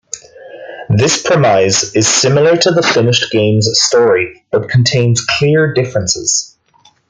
This premise is similar to the finished game's story, but contains clear differences.